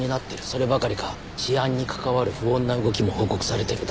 そればかりか治安に関わる不穏な動きも報告されてる。